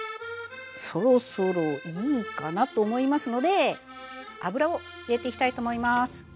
そろそろいいかなと思いますので油を入れていきたいと思います。